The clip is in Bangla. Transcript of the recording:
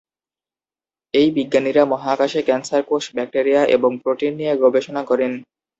এই বিজ্ঞানীরা মহাকাশে ক্যান্সার কোষ, ব্যাকটেরিয়া এবং প্রোটিন নিয়ে গবেষণা করেন।